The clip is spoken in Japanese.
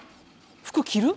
服着る？